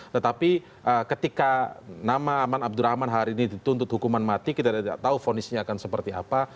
tetapi ketika nama aman abdurrahman hari ini dituntut hukuman mati kita tidak tahu fonisnya akan seperti apa